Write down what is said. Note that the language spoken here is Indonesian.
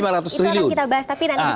tapi nanti bisa berikutnya